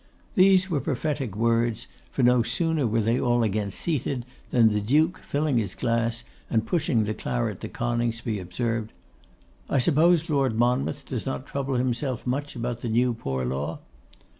These were prophetic words; for no sooner were they all again seated, than the Duke, filling his glass and pushing the claret to Coningsby, observed, 'I suppose Lord Monmouth does not trouble himself much about the New Poor Law?